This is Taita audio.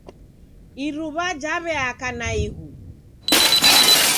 Iruwa jaweaka naighu.